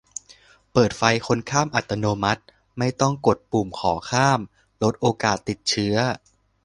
- เปิดไฟคนข้ามอัตโนมัติ ไม่ต้องกดปุ่มขอข้าม ลดโอกาสติดเชื้อ